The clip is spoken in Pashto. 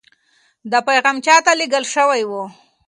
دا پیغام چا ته لېږل شوی و؟